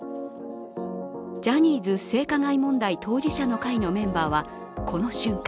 ジャニーズ性加害問題当事者の会のメンバーはこの瞬間